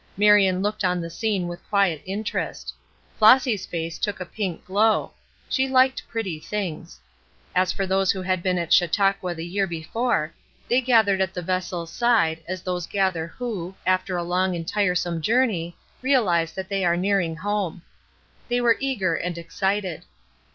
Marion looked on the scene with quiet interest. Flossy's face took a pink glow; she liked pretty things. As for those who had been at Chautauqua the year before, they gathered at the vessel's side as those gather who, after a long and tiresome journey, realize that they are nearing home. They were eager and excited.